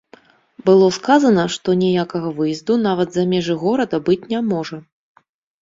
Было сказана, што ніякага выезду нават за межы горада быць не можа.